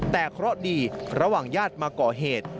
แต่เคราะห์ดีระหว่างญาติมาก่อเหตุ